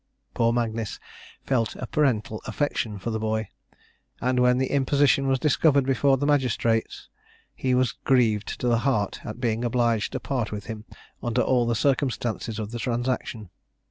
Poor Magnis felt a parental affection for the boy; and when the imposition was discovered before the magistrate, he was grieved to the heart at being obliged to part with him under all the circumstances of the transaction.